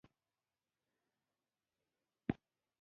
او مېر من یې وه له رنګه ډېره ښکلې